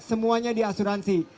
semuanya di asuransi